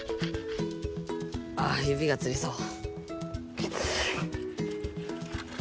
あゆびがつりそう。